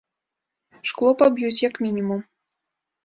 Шкло паб'юць, як мінімум.